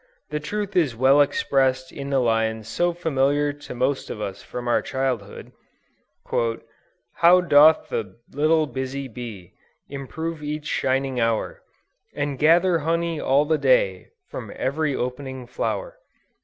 The truth is well expressed in the lines so familiar to most of us from our childhood, "How doth the little busy bee Improve each shining hour, And gather honey all the day From every opening flower."